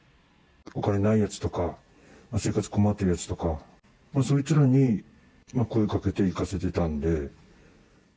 お金ないやつとか、生活困っているやつとか、そいつらに声かけて、行かせてたんで。